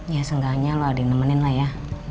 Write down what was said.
ya seenggaknya lo adik nemenin lah ya